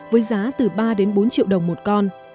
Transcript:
với giá từ ba đến bốn triệu đồng một con